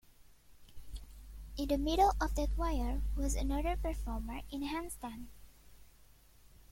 In the middle of that wire was another performer in a handstand.